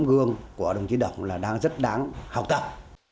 gương của đồng chí động là đang rất đáng học tập